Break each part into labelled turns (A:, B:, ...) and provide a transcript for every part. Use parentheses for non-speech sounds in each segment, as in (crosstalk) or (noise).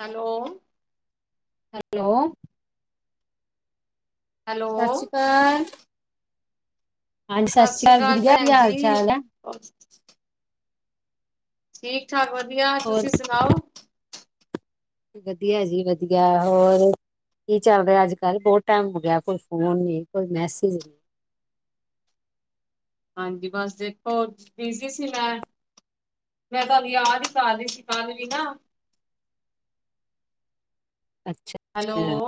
A: Hello
B: hello ਸਤਿ
A: hello
B: ਸ਼੍ਰੀ ਅਕਾਲ। ਹਾਂਜੀ
A: ਸਤਿ
B: ਸ੍ਰੀ
A: ਸ਼੍ਰੀ ਅਕਾਲ
B: ਗੁੜੀਆ ਕੀ
A: ਭੈਣ
B: ਹਾਲ
A: ਜੀ।
B: ਚਾਲ ਹੈ
A: ਠੀਕ ਠਾਕ ਵਧੀਆ
B: ਹੋਰ
A: ਤੁਸੀ ਸੁਣਾਓ।
B: ਵਧੀਆ ਜੀ ਵਧੀਆ ਹੋਰ ਕੀ ਚੱਲ ਰਿਆ ਅੱਜ ਕੱਲ੍ਹ ਬਹੁਤ ਟਾਈਮ ਹੋ ਗਿਆ ਕੋਈ ਫੋਨ ਨਈ ਕੋਈ ਮੈਸੇਜ ਨਈ।
A: ਹਾਂਜੀ ਬਸ ਦੇਖੋ ਬਿਜੀ ਸੀ ਮੈਂ ਮੈਂ ਤੁਹਾਨੂੰ ਯਾਦ ਹੀ ਕਰ ਰਈ ਸੀ ਕਲ ਵੀ ਨਾ।
B: ਅੱਛਾ
A: ਹੈਲੋ
B: ਅੱਛਾ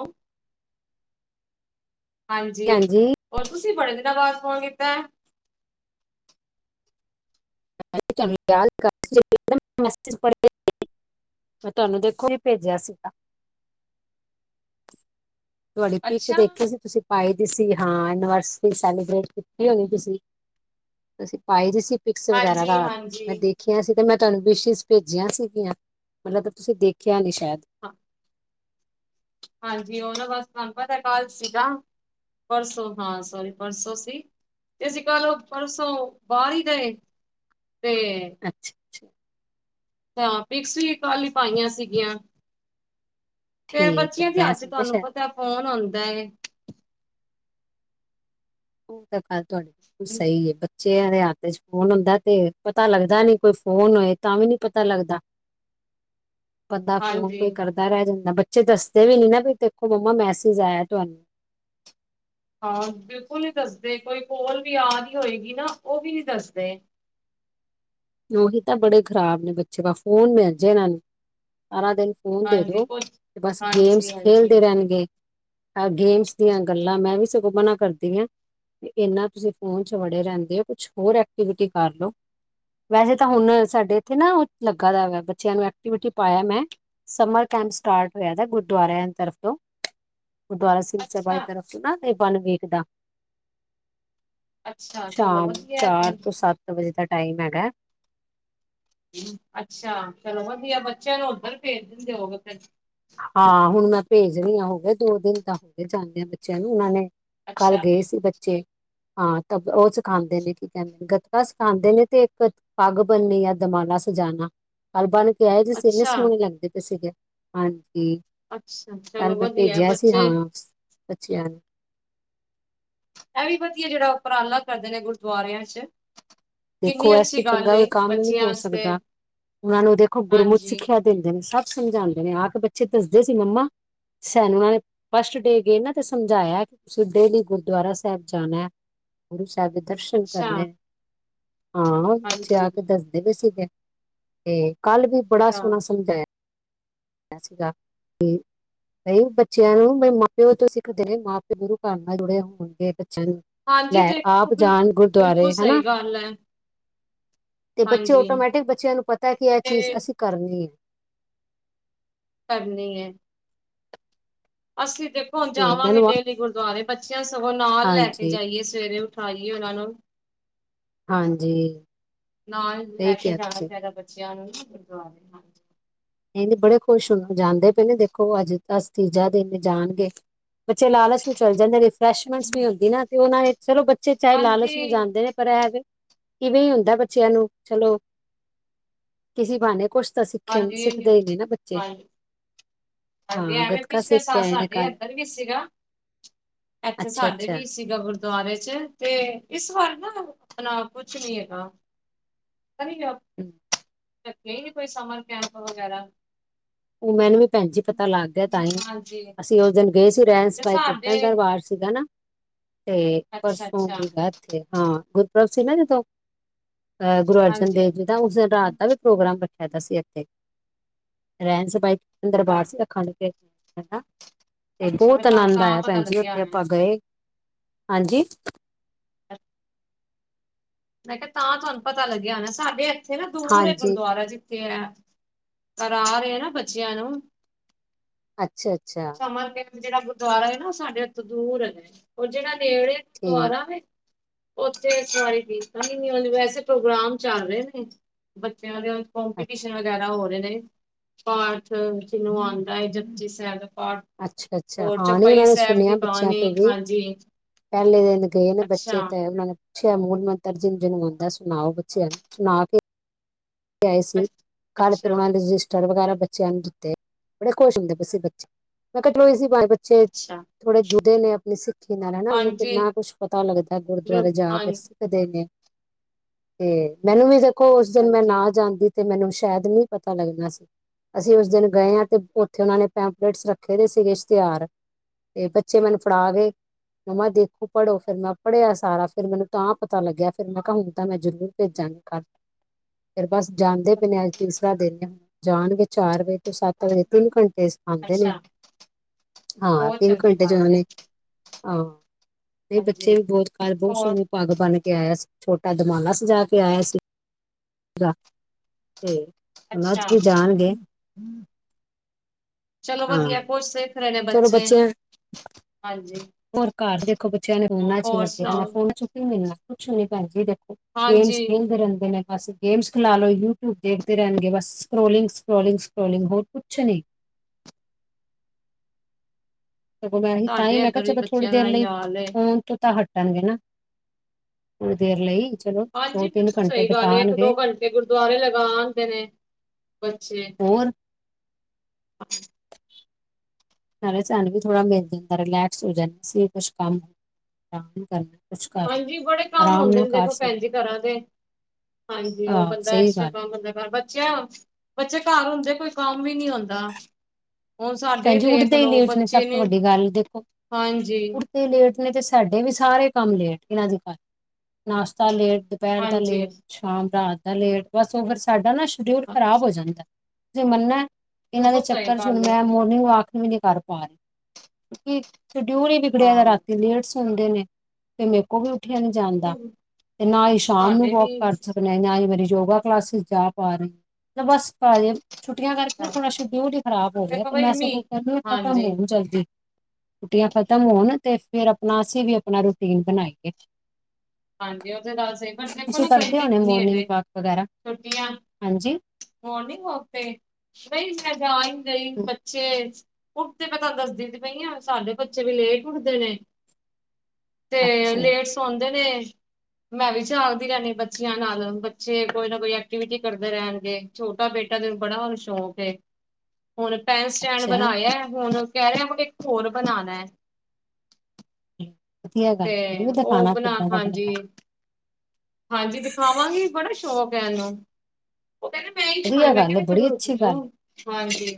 A: ਹਾਂਜੀ ਹੋਰ ਤੁਸੀ ਬੜੇ ਦਿਨਾਂ ਬਾਅਦ ਫ਼ੋਨ ਕੀਤਾ।
B: (inaudible) ਮੈਂ ਤੁਹਾਨੂੰ ਦੇਖੋ ਵੀ ਭੇਜਿਆ ਸੀਗਾ। ਤੁਹਾਡੇ ਪਿੱਕ
A: ਅੱਛਾ
B: ਦੇਖੇ ਸੀ ਤੁਸੀਂ ਪਾਈ ਦੀ ਸੀ ਹਾਂ ਐਨੀਵਰਸਰੀ ਸੈਲੀਬਰੇਟ ਕੀਤੀ ਹੋਣੀ ਤੁਸੀਂ ਅਸੀਂ ਪਾਈ ਦੀ ਸੀ। ਪਿਕਸ ਵਗੈਰਾ
A: ਹਾਂਜੀ
B: ਰਾਤ
A: ਹਾਂਜੀ।
B: ਮੈਂ ਦੇਖ ਦੇਖੀਆਂ ਸੀ ਤੇ ਮੈਂ ਤੁਹਾਨੂੰ ਵਿਸ਼ਿਸ ਭੇਜੀਆਂ ਸੀਗੀਆਂ ਮਤਲਬ ਤੁਸੀਂ ਦੇਖਿਆ ਨਈ ਸ਼ਾਇਦ
A: (inaudible) ਹਾਂਜੀ ਓ ਨਾ ਬਸ ਤੁਹਾਨੂੰ ਪਤਾ ਕਲ ਸੀਗਾ ਪਰਸੋਂ ਹਾਂ ਸੋਰੀ ਪਰਸੋਂ ਸੀ। ਤੇ ਅਸੀਂ ਕਲ ਓ ਪਰਸੋਂ ਬਾਰ ਹੀ ਰਏ ਤੇ
B: ਅੱਛਾ ਅੱਛਾ
A: ਅੱਛਾ ਹਾਂ ਪਿਕਸ ਵੀ ਕਲ ਈ ਪਾਈਆਂ ਸੀਗੀਆਂ। ਫਿਰ
B: ਠੀਕ ਹੈ
A: ਬੱਚੀਆਂ ਤੇ
B: ਮੈਂ
A: ਹੱਥ
B: ਸਮਝਿਆ
A: ਤੁਹਾਨੂੰ
B: ਸ਼ਾਇਦ
A: ਪਤਾ ਫੋਨ ਹੁੰਦਾ ਏ।
B: ਇਹ ਤਾ ਗੱਲ ਤੁਹਾਡੀ ਬਿਲਕੁਲ ਸਈ ਏ ਬ ਬੱਚਿਆਂ ਦੇ ਹੱਥ 'ਚ ਫੋਨ ਹੁੰਦਾ ਤੇ ਪਤਾ ਲੱਗਦਾ ਨਈ ਕੋਈ ਫੋਨ ਹੋਏ ਤਾਂ ਵੀ ਨਈ ਪਤਾ ਲੱਗਦਾ। ਬੰਦਾ ਫੋਨ ਕੋਈ
A: ਹਾਂਜੀ
B: ਕਰਦਾ। ਰਹਿ ਜਾਂਦਾ ਬੱਚੇ ਦੱਸਦੇ ਵੀ ਨੀ ਨਾ ਵੀ ਦੇਖੋ ਮੰਮਾ ਮੈਸੇਜ ਆਇਆ ਤੁਹਾਨੂੰ
A: ਹਾਂ ਬਿਲਕੁਲ ਨਈ ਦੱਸਦੇ ਕੋਈ ਕੋਲ ਵੀ ਆ ਰਈ ਹੋਏਗੀ ਨਾ ਓ ਵੀ ਨਈ ਦੱਸਦੇ।
B: ਉਹੀ ਤਾਂ ਬੜੇ ਖ਼ਰਾਬ ਨੇ ਬੱਚੇ ਬਸ ਫੋਨ ਮਿਲ ਜੇ ਇਹਨਾਂ ਨੂੰ ਸਾਰਾਂ ਦਿਨ ਫੋਨ ਦੇ
A: ਹਾਂਜੀ
B: ਦੋ
A: ਕੁਛ
B: ਬਸ
A: ਹਾਂਜੀ
B: ਗੇਮਸ
A: ਹਾਂਜੀ
B: ਖੇਲਦੇ ਰੈਂਣਗੇ। ਅ ਗੇਮਸ ਦੀਆਂ ਗੱਲਾਂ ਮੈਂ ਵੀ ਸਗੋਂ ਮਨਾ ਕਰਦੀ ਆਂ। ਇਨਾ ਤੁਸੀਂ ਫੋਨ 'ਚ ਵੜੇ ਰੈਂਦੇ ਹੋ ਕੁਛ ਹੋਰ ਐਕਟੀਵਿਟੀ ਕਰ ਲੋ। ਵੈਹੇ ਤਾਂ ਹੁਣ ਸਾਡੇ ਇੱਥੇ ਨਾ ਓ ਲੱਗਾ ਦਾ ਵ ਬੱਚਿਆਂ ਨੂੰ ਐਕਟੀਵਿਟੀ ਪਾਇਆ ਮੈਂ ਸਮਰ ਕੈਂਪ ਸਟਾਰਟ ਹੋਇਆ ਦਾ ਗੁਰਦੁਆਰਿਆਂ ਦੀ ਤਰਫ ਤੋਂ ਗੁਰਦੁਆਰਾ ਸਿੰਘ ਸਭਾ
A: ਅੱਛਾ
B: ਦੀ ਤਰਫ ਨਾ ਇਹ ਬਨ ਵੇਖਦਾ
A: ਅੱਛਾ ਚਲੋ
B: ਸ਼ਾਮ
A: ਵਧੀਆ
B: ਚਾਰ
A: ਤੇ
B: ਤੋਂ ਸੱਤ ਵਜੇ ਦਾ ਟਾਈਮ ਹੈਗਾ।
A: ਅੱਛਾ ਚਲੋ ਵਧੀਆ ਬੱਚਿਆਂ ਨੂੰ ਉੱਧਰ ਭੇਜ ਦਿੰਦੇ ਹੋਗੇ ਫਿਰ।
B: ਹਾਂ, ਹੁਣ ਮੈਂ ਭੇਜ ਰਹੀ ਹਾਂ ਹੋਗੇ ਦੋ ਦਿਨ ਤਾਂ ਹੋਗੇ ਜਾਂਦੇ ਆ ਬੱਚਿਆਂ ਨੂੰ ਉਹਨਾਂ ਨੇ। ਕੱਲ੍ਹ
A: ਅੱਛਾ
B: ਗਏ ਸੀ ਬੱਚੇ। ਹਾਂ ਤ ਉਹ ਸਿਖਾਉਂਦੇ ਨੇ ਕੀ ਕਹਿੰਦੇ ਨੇ ਗਤਕਾ ਸਿਖਾਉਂਦੇ ਨੇ ਤੇ ਇੱਕ। ਪੱਗ ਬਣਨੀ ਜਾਂ ਦੁਮਾਲਾ ਸਜਾਨਾ। ਕਲ ਬਨ ਕੇ ਦੇ ਆਏ ਸੀਗੇ, ਇੰਨੇ
A: ਅੱਛਾ
B: ਸੋਹਣੇ ਲੱਗਦੇ ਪਏ ਸੀਗੇ ਹਾਂਜੀ।
A: ਅੱਛਾ ਚਲੋ
B: ਕੱਲ ਮੈਂ
A: ਵਧੀਆ
B: ਭੇਜਿਆ ਸੀ ਹਾਂ
A: ਬੱਚੇ
B: ਬੱਚਿਆਂ ਨੂੰ।
A: ਇਹ ਵੀ ਵਧੀਆ ਜਿਹੜਾ ਉਪਰਾਲਾ ਕਰਦੇ ਨੇ ਗੁਰਦੁਆਰਿਆਂ ਚ। ਕਿੰਨੀ
B: ਦੇਖੋ ਇਸ ਤੋਂ
A: ਅੱਛੀ ਗੱਲ
B: ਚੰਗਾ ਕੋਈ
A: ਏ
B: ਕੰਮ ਨਹੀਂ
A: ਬੱਚਿਆਂ
B: ਹੋ
A: ਵਾਸਤੇ
B: ਸਕਦਾ, ਉਹਨਾਂ ਨੂੰ ਦੇਖੋ ਗੁਰਮਤ
A: ਹਾਂਜੀ
B: ਸਿੱਖਿਆ। ਦਿੰਦੇ ਨੇ, ਸਭ ਸਮਝਾਉਂਦੇ ਨੇ ਆ ਕੇ ਬੱਚੇ ਦੱਸਦੇ ਸੀ ਮੰਮਾ ਸਾਨੂੰ ਐਹ। ਫਸਟ ਡੇ ਗਏ ਨਾ ਤੇ ਸਮਝਾਇਆ, ਕਿ ਤੁਸੀਂ ਡੇਲੀ ਗੁਰਦੁਆਰਾ ਸਾਹਿਬ ਜਾਣਾ ਗੁਰੂ ਸਾਹਿਬ ਦੇ ਦਰਸ਼ਨ
A: ਅੱਛਾ
B: ਕਰਨੇ ਹਾਂ, ਬੱਚੇ
A: ਹਾਂਜੀ
B: ਆ ਕੇ ਦੱਸਦੇ ਪੇਂ ਸੀਗੇ, ਤੇ ਕੱਲ ਵੀ ਬੜਾ
A: ਅੱਛਾ
B: ਸੋਹਣਾ ਸਮਝਾਇਆ।
A: (inaudible)
B: (unintelligible) ਕਈ ਬੱਚਿਆਂ ਨੂੰ ਬੇ ਮਾਂ-ਪਿਓ ਤੋਂ ਸਿੱਖਦੇ ਨੇ, ਮਾਂ-ਪਿਓ ਗੁਰੂ ਘਰ ਨਾਲ ਜੁੜੇ ਹੋਣਗੇ, ਬੱਚਿਆਂ ਨੂੰ
A: ਹਾਂਜੀ
B: ਲੈ ਆਪ ਜਾਣ ਗੁਰਦੁਆਰੇ ਹੈਨਾ।
A: ਪਰ ਲੈ
B: ਤੇ ਬੱਚੇ, ਆਟੋਮੈਟਿਕ ਬੱਚਿਆਂ ਨੂੰ ਪਤਾ ਕਿ ਇਹ
A: ਤੇ
B: ਚੀਜ਼ ਅਸੀਂ ਕਰਨੀ ਹੈ।
A: ਕਰਨੀ ਐ ਅਸੀਂ ਦੇਖੋ
B: ਤੇ
A: ਜਾਵਾਂਗੇ
B: ਮੈਨੂੰ
A: ਡੇਲੀ ਗੁਰਦੁਆਰੇ ਬੱਚਿਆਂ ਸਗੋਂ ਨਾਲ ਲੈ ਕੇ
B: ਹਾਂਜੀ
A: ਜਾਈਏ ਸਵੇਰੇ ੳਠਾਈਏ ਉਹਨਾਂ ਨੂੰ
B: ਹਾਂਜੀ
A: ਨਾਲ
B: ਸਹੀ
A: ਲੈ ਕੇ
B: ਕਿਹਾ
A: ਜਾਣਾ
B: ਤੁਸੀਂ।
A: ਚਾਹੀਦਾ, ‌ਬੱਚਿਆਂ ਨੂੰ ਗੁਰਦੁਆਰੇ
B: ਨਹੀਂ-ਨਹੀਂ ਬੜੇ ਖੁਸ਼ ਹੁਣ ਤੇ ਜਾਂਦੇ ਪਏ ਨੇ, ਦੇਖੋ ਅੱਜ ਤਾਂ ਤੀਜਾ ਦਿਨ ਜਾਣਗੇ। ਬੱਚੇ ਲਾਲਚ ਨੂੰ ਚੱਲੇ ਜਾਂਦੇ ਨੇ, ਰਿਫਰੈਸ਼ਮੈਂਟਸ ਵੀ ਹੁੰਦੀ ਨਾ‌, ਤੇ ਉਹਨਾ ਨੇ ਚਲੋ ਬੱਚੇ ਚਾਹੇ ਲਾਲਚ ਨੂੰ
A: ਹਾਂਜੀ
B: ਜਾਂਦੇ ਨੇ। ਪਰ ਐ ਵੇ ਇਵੇਂ ਹੀ ਹੁੰਦਾ ਬੱਚਿਆਂ ਨੂੰ, ਚਲੋ ਕਿਸੀ ਬਾਣੇ। ਕੁਛ ਤਾਂ ਸਿੱਖੇਣ
A: ਹਾਂਜੀ
B: ਸਿੱਖਦੇ ਈ ਨੇ ਨਾ ਬੱਚੇ
A: ਹਾਂਜੀ ਹਾਂਜੀ,
B: ਹਾਂ
A: ਐਵੇਂ
B: ਗੱਤਕਾ
A: ਪਿਛਲੇ
B: ਸਿੱਖ ਕੇ
A: ਸਾਲ
B: ਆਏ ਨੇ
A: ਸਾਡੇ
B: ਕੱਲ
A: ਅੰਦਰ ਵੀ ਸੀਗਾ ਐਂਥੇ
B: ਅੱਛਾ
A: ਸਾਡੇ
B: -ਅੱਛਾ
A: ਵੀ ਸੀ ਸੀਗਾ 'ਗੁਰਦੁਆਰੇ' ਚ ਤੇ ਇਸ ਵਾਰ ਨਾ ਅਪਣਾ ਕੁਛ ਨੀ ਹੈਗਾ ਕਰੀ ਜੋਬ
B: ਹਮ,
A: ਲੱਗਦੇ ਈ ਨਹੀਂ ਪਏ ਸਮਰ ਕੈਂਪ ਵਗੈਰਾ
B: ਉਹ ਮੈਨੂੰ ਵੀ ਭੈਣ ਜੀ, ਪਤਾ ਲੱਗ ਗਿਆ ਤਾਂ ਹੀ,
A: ਹਾਂਜੀ
B: ਅਸੀਂ ਉਸ ਦਿਨ ਗਏ ਸੀ, ਰਹਿਣ
A: ਤੇ
B: ਸਬਾਈ ਕਿਰਤਨ
A: ਸਾਡੇ
B: ਦਰਬਾਰ ਸੀਗਾ ਨਾ ਤੇ ਪਰਸੋਂ ਵੀ
A: ਅੱਛਾ-ਅੱਛਾ,
B: ਸੀਗਾ ਐਥੇ,, ਗੁਰਪੁਰਬ ਸੀ ਨਾ ਜਦੋਂ ਅਹ, ਗੁਰੂ ਅਰਜਨ
A: ਹਾਂਜੀ।
B: ਦੇਵ ਜੀ ਦਾ ਉਸ ਦਿਨ ਰਾਤ ਦਾ ਵੀ ਪ੍ਰੋਗਰਾਮ
A: ਅੱਛਾ,
B: ਰੱਖਿਆ ਦੇਆ ਸੀ ਇੱਥੇ ਰਹਿਣ ਸਬਾਈ ਕਿਰਤਨ ਦਰਬਾਰ ਸੀਗਾ ਅਖੰਡ ਕੀਰਤਨੀ ਨਾ ਤੇ
A: ਅੱਛਾ ਫੇਰ
B: ਬਹੁਤ
A: ਤੁਹਾਨੂੰ
B: ਆਨੰਦ
A: ਤਾਂ
B: ਆਇਆ
A: ਪਤਾ
B: ਭੈਣ ਜੀ,
A: ਲੱਗਿਆ
B: ਉੱਥੇ ਆਪਾਂ
A: ਹੋਣਾ।
B: ਗਏ ਹਾਂਜੀ
A: (inaudible) ਮੈਂ ਕਿਹਾ ਤਾਂ ਤੁਹਾਨੂੰ ਪਤਾ ਲੱਗਿਆ ਹੋਣਾ, ਸਾਡੇ ਇੱਥੇ ਨਾ ਦੂਰ ਹੈ,
B: ਹਾਂਜੀ
A: ਗੁਰਦੁਆਰਾ ਜੀ। ਤੇ ਐ ਕਰਾ ਰਹੇ ਆ, ਬੱਚਿਆਂ ਨੂੰ
B: ਅੱਛਾ-ਅੱਛਾ
A: ਮਾਰਕੀਟ ਜਿਹੜਾ ਗੁਰਦੁਆਰਾ ਹੈ ਨਾ, ਉਹ ਸਾਡੇ ਐਥੋ ਦੂਰ ਹੈ, ਉਹ ਜਿਹੜਾ ਨੇੜੇ ਐ
B: ਠੀਕ
A: ਦੁਆਰਾ ਵੇ ਉੱਥੇ ਸ਼ਇਦ ਹੀ, ਵੈਸੇ ਪ੍ਰੋਗਰਾਮ ਚੱਲ ਰਹੇ ਨੇ ਬੱਚਿਆਂ ਦੇ
B: ਅੱਛਾ
A: ਕੋਂਪੀਟੀਸ਼ਨ ਵਗੈਰਾ ਹੋ ਰਹੇ ਨੇ ਪਾਠ ਜਿਨੂੰ ਆਂਦਾ ਐ, ਜਪੁਜੀ ਸਾਹਿਬ ਦਾ ਪਾਠ
B: ਅੱਛਾ ਅੱਛਾ
A: ਹੋਰ
B: ਹਾਂ ਨਹੀਂ
A: ਚੌਪਈ
B: ਉਹਨਾਂ ਨੇ
A: ਸਾਹਿਬ ਦੀ
B: ਸੁਣਿਆ ਬੱਚਿਆਂ
A: ਬਾਣੀ
B: ਤੋਂ ਵੀ
A: ਹਾਂਜੀ।
B: ਪਹਿਲੇ ਦਿਨ ਗਏ ਨੇ ਬੱਚੇ
A: ਅੱਛਾ
B: (unintelligible) ਨ ਪੁਛਿਆ ਮੂਲ ਮੰਤਰ ਜਿਨ ਜਿਨੂੰ ਆਂਦਾ ਸੁਣਾਓ ਬੱਚਿਆਂ ਨੂੰ ਸੁਣਾ ਕੇ ਆਏ ਸੀ
A: ਅੱਛ
B: ਕਾਲ
A: ਅੱਛਾ,
B: ਕਰਵਾਣ ਰਿਜ ਜਿਸਟਰ ਬੱਚਿਆਂ ਨੂੰ ਦਿੱਤੇ ਬੜੇ ਖੁਸ਼ ਹੁੰਦੇ ਪਏ ਸੀ ਬੱਚੇ ਮੈਂ ਕਿਹਾ (unintelligible)
A: ਅੱਛਾ।
B: ਥੋੜੇ ਜੁੜੇ ਨੇ ਆਪਣੀ ਸਿੱਖੀ ਨਾਲ ਹੈਨਾ, ਉਹਨੂੰ
A: ਹਾਂਜੀ
B: ਕਿੰਨਾ ਕੁਛ ਪਤਾ ਲੱਗਦਾ
A: ਬਿਲ
B: ਗੁਰਦੁਆਰੇ ਜਾ
A: ਹਾਂ
B: ਕੇ (unintelligible) ਤੇ ਮੈਨੂੰ ਵੀ ਦੇਖੋ ਉਸ ਦਿਨ ਮੈਂ
A: ਹਾਂਜੀ।
B: ਨਾ ਜਾਂਦੀ, ਤੇ ਮੈਨੂੰ ਸ਼ਾਇਦ ਨੀ ਪਤਾ ਲੱਗਣਾ ਸੀ। ਅਸੀਂ ਉਸ ਦਿਨ ਗਏ ਆਂ ਤੇ ਉੱਥੇ ਉਹਨਾਂ ਨੇ ਪੈਂਪਲੇਟਸ ਰੱਖੇ ਦੇ ਸੀਗੇ ਇਸ਼ਤਿਹਾਰ ਤੇ ਬੱਚੇ ਮੈਨੂੰ ਫੜਾ ਗਏ ਮਮਾ ਦੇਖੋ ਪੜੋ, ਫਿਰ ਮੈਂ ਪੜ੍ਹਿਆ ਸਾਰਾ ਫੇਰ ਮੈਨੂੰ ਤਾਂ ਪਤਾ ਲੱਗਿਆ ਫੇਰ ਮੈਂ ਕਿਹਾ ਹੁਣ ਤਾਂ ਮੈਂ ਜਰੂਰ ਭੇਜਾਂਗੀ ਕੱਲ। ਫੇਰ ਬਸ ਜਾਂਦੇ ਪਏ ਨੇ, ਅੱਜ ਤੀਸਰਾ ਦਿਨ ਜਾਣਗੇ ਚਾਰ ਵਜੇ ਤੋਂ ਸੱਤ ਵਜੇ ਤਿੰਨ ਘੰਟੇ ਸ ਆਉਂਦੇ ਨੇ
A: ਅੱਛਾ
B: ਹਾਂ
A: ਬਹੁਤ
B: ਤਿੰਨ
A: ਚੰਗੀ
B: ਘੰਟੇ
A: ਗੱਲ ਹੈ
B: ਜਾਣੇ। ਹਾਂ, ਇਹ
A: ਹਾਂਜੀ
B: ਬੱਚੇ ਵੀ ਬਹੁਤ (unintelligible) ਬਹੁਤ
A: ਹੋਰ
B: ਸੋਹਣੇ। ਪੱਗ ਬਣ ਕੇ ਆਇਆ ਸੀ, ਛੋਟਾ ਦਮਾਲਾ ਸਜਾ ਕੇ ਆਇਆ ਸੀ। (inaudible) ਉਹਨਾਂ ਚ
A: ਅੱਛਾ,
B: ਵੀ ਜਾਣਗੇ
A: ਚਲੋ
B: ਹਾਂ
A: ਵਧੀਆ ਕੁਛ ਸ ਵੱਖਰੇ ਨੇ
B: ਚਲੋ
A: ਬੱਚੇ
B: ਬੱਚਿਆਂ
A: ਹਾਂਜੀ।
B: ਹੋਰ ਘਰ ਦੇਖੋ ਬੱਚਿਆਂ ਨੇ ਫੋਨਾਂ ਚ ਈ
A: ਹੋਰ
B: ਲੱਗੇ ਰਹਿਣਾ
A: ਸੁਣਾਓ
B: ਫੋਨਾਂ ਚੁ ਕੀ ਮਿਲਣਾ, ਕੁਛ ਨੀ ਭੈਣ ਜੀ ਦੇਖੋ। ਗੇਮ
A: ਹਾਂਜੀ।
B: ਖੇਲਦੇ ਰੈਂਦੇ ਨੇ। ਬਸ ਗੇਮਸ ਖਿਲਾ ਲੋੋ ਯੂਟਿਊਬ ਦੇਖਦੇ ਰਹਿਣਗੇ ਬਸ, ਸਕਰੋਲਿੰਗ ਸਕਰੋਲਿੰਗ ਸਕਰੋਲਿੰਗ ਹੋਰ ਕੁਛ ਨੀ। ਸਗੋਂ ਮੈਂ ਤਾਂ ਹੀ
A: ਤੁਹਾਡੇ
B: ਮੈਂ ਕਿਹਾ
A: ਇੱਧਰ ਵੀ
B: ਚਲੋ ਥੋੜੀ
A: ਬੱਚਿਆਂ
B: ਦੇਰ
A: ਦਾ ਹੀ
B: ਲਈ
A: ਹਾਲ ਏ।
B: ਫੋਨ ਤੋਂ ਤਾਂ ਹਟ ਣਗੇ ਨਾ, ਥੋੜੀ ਦੇਰ ਲਈ। ਚਲੋ ਦੋ
A: ਹਾਂਜੀ
B: ਤਿੰਨ
A: ਬਿਲਕੁਲ
B: ਘੰਟੇ
A: ਸਹੀ ਗੱਲ ਐ, ਇੱਕ
B: ਬਿਤਾਉਣਗੇ
A: ਦੋ ਘੰਟੇ ਗੁਰਦੁਆਰੇ ਲਗਾ ਆਂਦੇ ਨੇ ਬੱਚੇ।
B: ਹੋਰ।
A: ਅੱ
B: ਸਾਰੇ ਸਾਨੂੰ ਵੀ ਥੋੜ੍ਹਾ ਮਿਨ ਜਾਂਦਾ ਰਿਲੈਕਸ ਹੋ ਜਾਂਦੇ ਸੀ ਕੁਛ ਕੰਮ (unintelligible) ਕਰਨਾ। ਕੁਛ
A: ਹਾਂਜੀ,
B: ਕਰਨਾ
A: ਬੜੇ ਕੰਮ
B: ਆਰਾਮ
A: ਹੁੰਦੇ
B: ਨਾਲ
A: ਨੇ
B: ਕਰ
A: ਦੇਖੋ
B: ਸਕਦੇ
A: ਭੈਣ ਜੀ ਘਰਾਂ ਦੇ। ਹਾਂਜੀ ਉਹ
B: ਆਹ
A: ਬੰਦਾ
B: ਸਹੀ
A: ਐਕਸਟਰਾ
B: ਗੱਲ
A: ਕੰਮ ਬੰਦਾ (unintelligible) ਬਚਿਆ ਬੱਚੇ ਘਰ ਹੁੰਦੇ ਕੋਈ ਕੰਮ ਵੀ ਨ੍ਹੀਂ ਹੁੰਦਾ। ਹੁਣ ਸਾਡੇ
B: ਭੈਣ ਜੀ
A: ਦੇਖ
B: ਉੱਠਦੇ ਹੀ
A: ਲਓ
B: ਲੇਟ
A: ਬੱਚੇ
B: ਸਭ
A: ਨੇ, ਹਾਂਜੀ।
B: ਤੇ ਲੇਟ ਨੇ ਤੇ ਸਾਡੇ ਵੀ ਸਾਰੇ ਕੰਮ ਲੇਟ ਇਹਨਾਂ ਦੀ ਘਰ ਨਾਸ਼ਤਾ ਲੇਟ ਦੁਪਹਿਰ ਦਾ
A: ਹਾਂਜੀ
B: ਲੇਟ, ਸ਼ਾਮ ਰਾਤ ਦਾ ਲੇਟ ਬਸ ਉਹ ਫਿਰ ਸਾਡਾ ਨਾ ਸ਼ਡਿਊਲ ਖਰਾਬ ਹੋ
A: ਹਾਂਜੀ
B: ਜਾਂਦਾ। ਤੁਸਿ ਮੰਨਾ ਇਹਨਾਂ ਦੇ
A: ਬਿਲਕੁਲ ਸਹੀ
B: ਚੱਕਰ ਚ ਹੁਣ
A: ਗੱਲ ਹੈ
B: ਮੈਂ ਮੋ ਆਖ ਵੀ ਨੀ ਕਰ ਪਾ ਰਹੀ ਕਿਉਕਿ ਸ਼ਡਿਊਲ ਈ ਵਿਗੜਿਆ
A: ਹਾਂ
B: ਰਾਤੀ ਲੇਟ ਸੋ ਸੁਂਦੇ ਨੇ ਤੇ ਮੇਰੇ ਕੋਲ ਵੀ ਉੱਠਿਆ ਨੀ ਜਾਂਦਾ ਤੇ ਨਾ ਈ ਸ਼ਾਮ ਨੂੰ
A: ਸਾਡੇ ਵੀ
B: ਵੋਕ ਕਰ ਸਕਣੇ। ਨਾਂ ਈ ਮੇਰੀ ਯੋਗਾ ਕਲਾਸ ਜਾ ਪਾ ਰਹੀ, ਤੇ ਬਸ (unintelligible) ਛੁੱਟੀਆਂ ਕਰਕੇ ਨਾ ਥੋੜਾ ਸ਼ਡਿਊਲ ਹੀ ਖਰਾਬ ਹੋ ਗਿਆ
A: ਦੇਖੋ
B: ਤੇ
A: ਬਈ
B: ਮੈਂ
A: ਮੀ
B: ਸਗੋਂ ਕਹਿਣੀ ਖਤਮ
A: ਹਾਂਜੀ
B: ਹੋਗ ਜਲਦੀ ਛੁੱਟੀਆਂ ਖਤਮ ਹੋਣ ਤੇ ਫੇਰ ਆਪਣਾ ਅਸੀਂ ਵੀ ਆਪਣਾ ਰੂਟੀਨ ਬਣਾਈ। ਇੱਕ
A: ਹਾਂਜੀ ਉਹ ਤੇ ਗੱਲ ਸਹੀ, ਪਰ ਦੇਖੋ ਨਾ
B: ਕਰਦੇ
A: ਗਰਮੀ
B: ਹੋਣੇ
A: ਕਿੰਨੀ ਅਜੇ
B: ਮੋਰਨਿੰਗ ਵਾਕ ਵਗੈਰਾ
A: ਛੁੱਟੀਆਂ
B: ਹਾਂਜੀ
A: ਮੋਰਨਿੰਗ ਵੋਕ ਤੇ ਨਈ ਮੈਂ ਜਾ ਈ ਨੀਂ ਰਈ, ਬੱਚੇ ਉੱਠ ਤੇ ਮੈਂ ਤੁਹਾਨੂੰ ਦੱਸਦੀ ਦੀ ਪਈ ਹਾਂ ਸਾਡੇ ਬੱਚੇ ਵੀ ਲੇਟ ਉੱਠਦੇ ਨੇ। ਤੇ
B: ਅੱਛਾ
A: ਲੇਟ ਸੌਂਦੇ ਨੇ। ਮੈਂ ਵੀ ਜਾਗਦੀ ਰੈਂਦੀ ਬੱਚਿਆਂ ਨਾਲ ਬੱਚੇ ਕੋਈ ਨਾ ਕੋਈ ਐਕਟੀਵਿਟੀ ਕਰਦੇ ਰੈਂਣਗੇ। ਛੋਟਾ ਬੇਟਾ ਤੇ ਬੜਾ ਉਨੂੰ ਸ਼ੌਕ ਏ। ਹੁਣ ਪੈਨ ਸਟੈਂਡ
B: ਅੱਛਾ
A: ਬਣਾਇਆ ਹੁਣ ਕਹਿ ਰਿਆ ਕੁ ਇੱਕ ਹੋਰ ਬਣਾਣਾ।
B: (inaudible)
A: ਤੇ
B: ਮੈਨੂੰ ਵੀ
A: ਓ
B: ਦਿਖਾਣਾ
A: ਬਣਾ
B: ਕਿੱਦਾਂ ਦਾ
A: ਹਾਂਜੀ।
B: ਬਣਾਇਆ
A: ਹਾਂਜੀ ਦਿਖਾਵਾਂਗੀ ਬੜਾ ਸ਼ੌਕ ਹੈ ਇਹਨੂੰ ਓ ਕੈਣਾ ਮੈਂ ਸੁਣਾ
B: ਵਧੀਆ
A: ਮੈਂ
B: ਗੱਲ ਹੈ
A: ਕੈਂਦੇ ਚਲੋ
B: ਬੜੀ
A: ਰੁਕ
B: ਅੱਛੀ
A: ਜੋ
B: ਗੱਲ
A: ਹਾਂਜੀ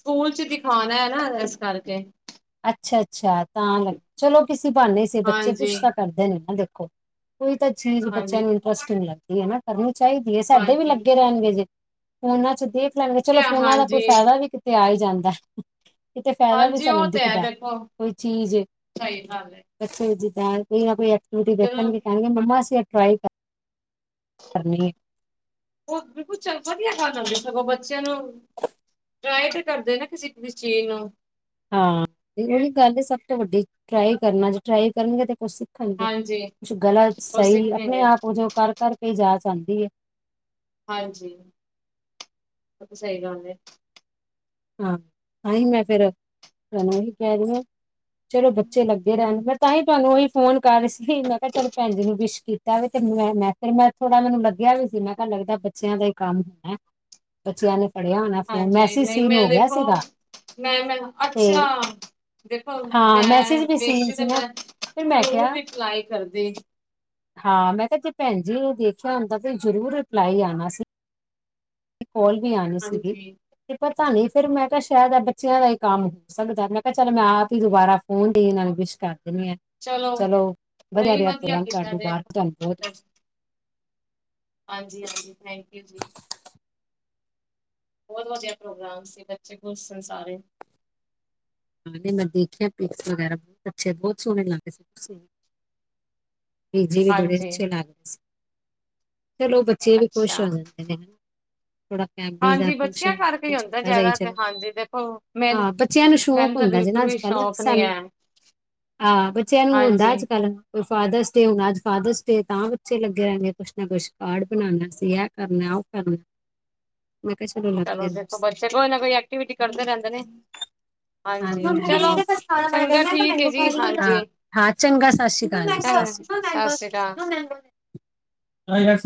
A: ਸਕੂਲ 'ਚ ਦਿਖਾਣਾ ਹੈ ਨਾ ਇਸ ਕਰਕੇ
B: ਅੱਛਾ-ਅੱਛਾ ਤਾਂ ਲ ਚਲੋ ਕਿਸੇ ਬਾਨੇ ਸੀ ਬੱਚੇ
A: ਹਾਂਜੀ
B: ਕੁਛ ਤਾਂ ਕਰਦੇ ਨੇ ਨਾ ਦੇਖੋ। ਕੋਈ ਤਾਂ ਚੀਜ਼ ਬੱਚਿਆਂ
A: ਹਾਂਜੀ
B: ਨੂੰ ਇੰਟਰਸਟਿੰਗ ਲੱਗਦ ਹੀ ਨਾ ਕਰਨੀ ਚਾਹੀਦੀ ਹੈ ਸਾਡੇ ਵੀ
A: ਹਾਂਜੀ
B: ਲੱਗੇ ਰੈਂਣਗੇ ਜੇ ਫੋਨਾ 'ਚ ਦੇਖ ਲੈ
A: ਤੇ
B: ਚਲੋ ਫੋਨਾਂ ਦਾ ਕੋਈ
A: ਹਾਂਜੀ
B: ਫਾਇਦਾ ਵੀ ਕਿਤੇ ਆ ਹੀ ਜਾਂਦਾ ਕਿਤੇ ਫਾਇਦਾ ਵੀ
A: ਹਾਂਜੀ ਉਹ
B: ਸਾਨੂੰ ਦਿ
A: ਤੇ ਹੈ
B: ਦਾ
A: ਦੇਖੋ
B: ਕੋਈ ਚੀਜ਼
A: ਸਹੀ ਗੱਲ ਹੈ
B: ਬੱਚੇ ਜਿੱਦ ਕੋਈ ਨਾ ਕੋਈ ਐਕਵਿਟੀ
A: ਜਦੋਂ
B: ਦੇਖਣਗੇ ਕੈਂਣਗੇ ਮੰਮਾ ਅਸੀ ਐ ਟਰਾਈ ਕਰ ਕਰਨੀ ਏ।
A: ਓ ਬਿਲਕੁਲ ਚਲ ਵਧੀਆ ਗੱਲ ਆਉਂਦੀ ਸਗੋਂ ਬੱਚਿਆਂ ਨੂੰ ਟਰਾਈ ਤੇ ਕਰਦੇ ਨਾ ਕਿਸੇ-ਕਿਸੇ ਚੀਜ਼ ਨੂੰ
B: ਹਾਂ ਤੇ ਉਹੀ ਗੱਲ ਸਭ ਤੋਂ ਵੱਡੀ ਟਰਾਈ ਕਰਨਾ ਜੇ ਟਰਾਈ ਕਰਨਗੇ ਤੇ ਕੁਛ ਹਾਂਜੀ ਗਲਤ
A: ਉਹ
B: ਸਈ ਆਪਣੇ
A: ਸਿੱਖਣਗੇ
B: ਆਪ ਹੋ ਜਾਓ ਕਰ-ਕਰ ਕੇ ਜਾਚ ਆਂਦੀ ਏ।
A: ਹਾਂਜੀ (unintelligible) ਸਈ ਗੱਲ ਏ।
B: ਹਾਂ ਤਾਂਹੀ ਮੈਂ ਫਿਰ ਤੁਹਾਨੂੰ ਕਹਿ ਰਈ ਆਂ। ਚਲੋ ਬੱਚੇ ਲੱਗੇ ਰੈਂਣ ਮੈਂ ਤਾਂ ਹੀ ਤੁਹਾਨੂੰ ਉਹੀ ਫੋਨ ਕਰ ਸੀ ਮੈਂ ਕਿਆ ਚਲ ਭੈਣ ਜੀ ਨੂੰ ਵਿਸ਼ ਕੀਤਾ ਵੀ ਤੇ ਮੈਂ-ਮੈਂ ਤੇ ਮੈਂ ਥੋੜਾ ਮੈਨੂੰ ਲੱਗਿਆ ਵੀ ਸੀ ਮੈਂ ਕਿਆ ਲੱਗਦਾ। ਬੱਚਿਆਂ ਦਾ ਹੀ ਕੰਮ ਨੇ ਬੱਚਿਆਂ ਨੇ ਫੜ੍ਹਿਆ ਹੋਣਾ ਫੋਨ
A: ਹਾਂਜੀ
B: ਮੈਸੇਜ
A: ਨਹੀਂ
B: ਸੀਨ
A: ਮੈਂ
B: ਹੋ ਗਿਆ
A: ਦੇਖੋ
B: ਸੀਗਾ
A: ਮੈਂ-ਮੈਂ
B: ਤੇ
A: ਅੱਛਾ ਦੇਖੋ
B: ਹਾਂ
A: ਮੈਂ
B: ਮੈਸੇਜ ਵੀ ਸੀਨ
A: ਵੇਖਦੀ ਤੇ
B: ਸੀ ਨਾ
A: ਮੈਂ
B: ਫਿਰ ਮੈਂ
A: ਜ਼ਰੂਰ
B: ਕਿਹਾ
A: ਵੀ ਰਿਪਲਾਈ ਕਰਦੀ।
B: ਹਾਂ ਮੈਂ ਕਿਆ ਜੇ ਭੈਣ ਜੀ ਓ ਦੇਖਿਆ ਹੁੰਦਾ ਤੇ ਜ਼ਰੂਰ ਰਿਪਲਾਈ ਆਣਾ ਸੀ। ਕੋਲ ਵੀ ਆਣੀ ਸੀਗੀ
A: ਹਾਂਜੀ
B: ਤੇ ਪਤਾ ਨੀ ਫਿਰ ਮੈਂ ਕਿਹਾ ਸ਼ਾਇਦ ਆ ਬੱਚਿਆਂ ਦਾ ਹੀ ਕੰਮ ਹੋ ਸਕਦਾ ਮੈਂ ਕਿਆ ਚਲ ਮੈਂ ਆਪ ਹੀ ਦੁਬਾਰਾ ਫੋਨ ਦੇ ਦੀ ਨਾਲ ਵਿਸ਼ ਕਰ ਦਿੰਣੀ ਆਂ। ਚਲੋ ਵਧੀਆ
A: ਨਹੀਂ
B: ਰਿਆ ਪ੍ਰੋਗਰਾਮ
A: ਕੀਤਾ
B: ਤੁਹਾਡੇ
A: ਜੇ
B: ਬਾਰ ਧੰਨਵਾਦ
A: ਹਾਂਜੀ-ਹਾਂਜੀ ਥੈਂਕ ਯੂ ਜੀ। ਬੋਤ ਵਧੀਆ ਪ੍ਰੋਗਰਾਮ ਸੀ ਬੱਚੇ ਖੁਸ਼ ਸਨ ਸਾਰੇ
B: ਹਾਂ ਨਈ ਮੈਂ ਦੇਖੀਆਂ ਪਿਕਸ ਵਗੈਰਾ ਬੋਤ ਅੱਛੇ ਬੋਤ ਸੋਹਣੇ ਲੱਗ ਰਏ ਤੁਸੀ। ਬਿਜੀ ਵੀ ਬੜੇ
A: ਹਾਂਜੀ
B: ਅੱਛੇ ਲੱਗਦੇ ਸੀ ਚਲੋ ਬੱਚੇ ਵੀ ਖੁਸ਼
A: ਅੱਛਾ
B: ਹੋ ਜਾਂਦੇ ਨੇ। ਥੋੜਾ ਆਂਟੀ ਦਾ
A: ਹਾਂਜੀ ਬੱਚਿਆਂ
B: ਫੰਕਸ਼ਨ
A: ਕਰਕੇ ਹੀ ਹੁੰਦਾ
B: ਛੋਟਾ ਜਿਹਾ ਈ
A: ਜ਼ਿਆਦਾ ਤੇ
B: ਚਲੋ
A: ਹਾਂਜੀ ਦੇਖੋ ਮੈ
B: ਹਾਂ ਬੱਚਿਆਂ ਨੂੰ ਸ਼ੌਂਕ
A: ਮੈਨੂੰ ਤਾਂ
B: ਹੁੰਦਾ ਜੇ ਨਾ
A: ਬਿਲਕੁਲ
B: ਅੱਜ
A: ਵੀ
B: ਕੱਲ
A: ਸ਼ੌਕ ਨੀ
B: ਸਾਨੂੰ
A: ਹੈ
B: ਆਹ ਬੱਚਿਆਂ ਨੂੰ ਹੁੰਦਾ
A: ਹਾਂਜੀ
B: ਅੱਜ ਕੱਲ ਫਾਦਰਸ ਡੇ ਹੁਣ ਅੱਜ ਫਾਦਰਸ ਡੇ ਤਾਂ ਬੱਚੇ ਲੱਗੇ ਰੈਣਗੇ ਕੁਛ ਨਾ ਕੁਛ ਕਾਰਡ ਬਣਾਉਣਾ ਸੀ ਐ। ਐ ਕਰਨਾ ਓ ਕਰਨਾ।
A: (inaudible)
B: ਮੈਂ ਕਿਆ ਚਲੋ।
A: ਚਲੋ
B: ਲੱਗਦੇ ਰਹੋ
A: ਦੇਖੋ
B: ਤੁਸੀਂ
A: ਬੱਚੇ ਕੋਈ ਨਾ ਕੋਈ ਐਕਟੀਵਿਟੀ ਕਰਦੇ ਰੈਂਦੇ ਨੇ। ਹਾਂਜੀ
B: ਮੰਮਾ ਕਹਿੰਦੀ
A: ਚਲੋ
B: ਇਹਦੇ ਕੋਲ ਖਾਣਾ ਮਨਾ ਕਰ
A: ਚੰਗਾ
B: ਮੈਂ ਕਿਹਾ
A: ਠੀਕ ਹੈ
B: ਮੈਂਗੋ ਖਾ
A: ਜੀ
B: ਲਈ ਹਾਂ
A: ਹਾਂਜੀ
B: ਹਾਂ ਚੰਗਾ ਸਤਿ ਸ਼੍ਰੀ ਅਕਾਲ ਜੀ, ਸਤਿ
A: ਚੰਗਾ।
B: ਸ਼੍ਰੀ ਅਕਾਲ
A: ਸਤਿ ਸ੍ਰੀ ਅਕਾਲ।
B: ਮੈਂਗੋ ਮੈਂਗੋ ਮੈਂਗੋ ਹਾਂ। (unintelligible)